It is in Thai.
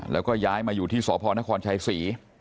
แล้วก็ย้ายมาอยู่ที่สพนครชัยศรี